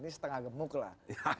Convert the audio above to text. ini setengah gemuk lah